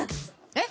えっ！